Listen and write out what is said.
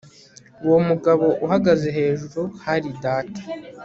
Uwo mugabo uhagaze hejuru hari data